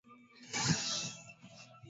Kitunguu maji Kikubwa moja